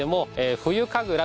冬神楽。